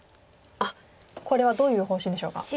あっこれはどういう方針でしょうか？